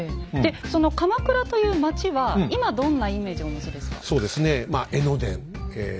でその鎌倉という町は今どんなイメージをお持ちですか？